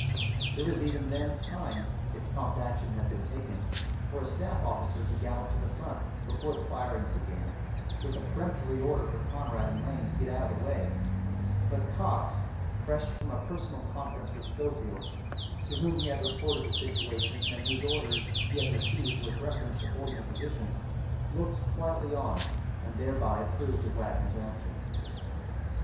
There was even then time, if prompt action had been taken, for a staff officer to gallop to the front, before the firing began, with a peremptory order for Conrad and Lane to get out of the way; but Cox, fresh from a personal conference with Schofield, to whom he had reported the situation and whose orders he had received with reference to holding the position, looked quietly on and thereby approved of Wagner's action.